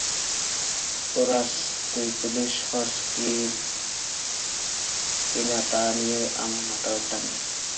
Porous, তুই police হস কি-না তা নিয়ে আমার মাথাব্যথা নেই।